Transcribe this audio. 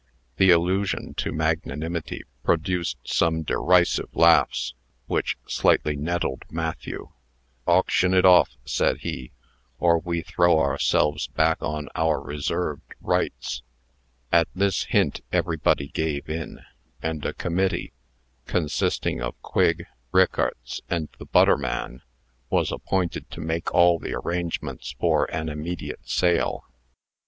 The allusion to magnanimity produced some derisive laughs, which slightly nettled Matthew. "Auction it off," said he, "or we throw ourselves back on our reserved rights." At this hint, everybody gave in; and a committee, consisting of Quigg, Rickarts, and the butter man, was appointed to make all the arrangements for an immediate sale.